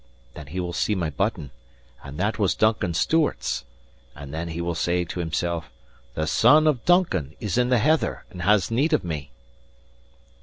Then he will see my button, and that was Duncan Stewart's. And then he will say to himsel', THE SON OF DUNCAN IS IN THE HEATHER, AND HAS NEED OF ME."